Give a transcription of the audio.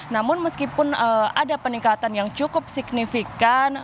namun meskipun ada peningkatan yang cukup signifikan